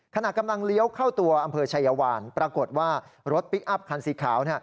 ขณะกำลังเลี้ยวเข้าตัวอำเภอชายวานปรากฏว่ารถพลิกอัพคันสีขาว